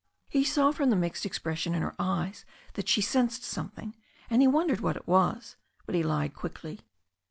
He saw from the mixed expression in her eyes that shd sensed something, and he wondered what it was. But he lied quickly.